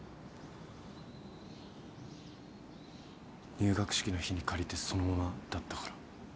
入学式の日に借りてそのままだったから。